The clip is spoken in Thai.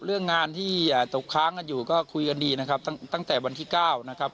เรื่องงานที่ตกค้างกันอยู่ก็คุยกันดีนะครับตั้งแต่วันที่๙นะครับ